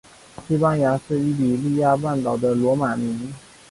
西班牙是伊比利亚半岛的罗马名。